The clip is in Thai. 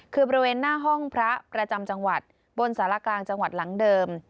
คือบริเวณหน้าห้องพระประจำจังหวัดบนสารกลางจังหวัดหลังเดิม